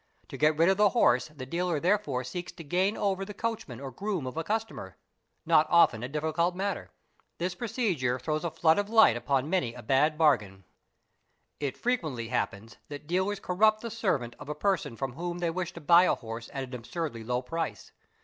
''T'o get rid of the horse the dealer therefore seeks to gain over the coachman or groom of a customer,—not often a difficult matter. This procedure throws a flood of light upon many a bad bargain. It frequently happens that dealers corrupt the servant of a person from whom they wish to buy a horse at an absurdly low price.